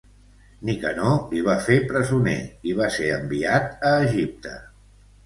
Nicanor li va fer presoner i va ser enviat a Egipte.